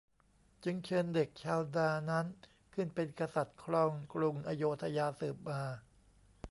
จึงเชิญเด็กชาวนานั้นขึ้นเป็นกษัตริย์ครองกรุงอโยธยาสืบมา